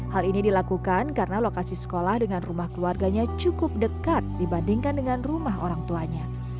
hal ini dilakukan karena lokasi sekolah dengan rumah keluarganya cukup dekat dibandingkan dengan rumah orang tuanya